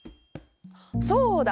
そうだ！